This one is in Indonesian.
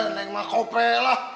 neng mah kope lah